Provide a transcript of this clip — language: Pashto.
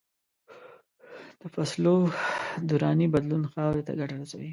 د فصلو دوراني بدلون خاورې ته ګټه رسوي.